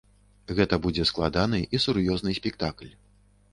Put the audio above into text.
Гэта будзе складаны і сур'ёзны спектакль.